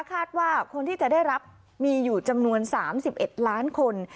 คาดว่าคนที่จะได้รับมีอยู่จำนวนสามสิบเอ็ดล้านคน